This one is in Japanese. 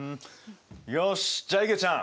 よしじゃあいげちゃん